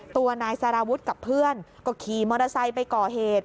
ตัวนายสารวุฒิกับเพื่อนก็ขี่มอเตอร์ไซค์ไปก่อเหตุ